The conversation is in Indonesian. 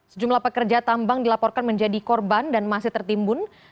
sejumlah pekerja tambang dilaporkan menjadi korban dan masih tertimbun